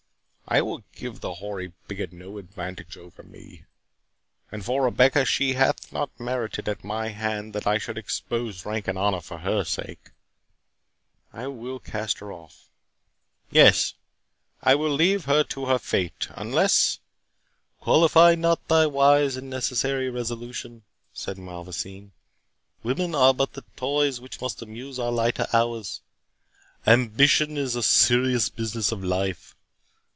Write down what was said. "I will give the hoary bigot no advantage over me; and for Rebecca, she hath not merited at my hand that I should expose rank and honour for her sake. I will cast her off—yes, I will leave her to her fate, unless—" "Qualify not thy wise and necessary resolution," said Malvoisin; "women are but the toys which amuse our lighter hours—ambition is the serious business of life.